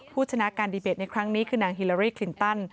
ผู้ชนะการดีเบตในครั้งนี้คือนางฮิลารี่คลินตัน